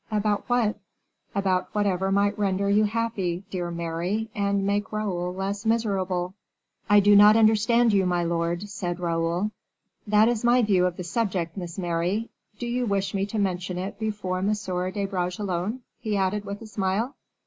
"About what?" "About whatever might render you happy, dear Mary, and make Raoul less miserable." "I do not understand you, my lord," said Raoul. "That is my view of the subject, Miss Mary; do you wish me to mention it before M. de Bragelonne?" he added, with a smile.